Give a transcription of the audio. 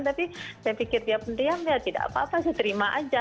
tapi saya pikir dia penting ya tidak apa apa sih terima aja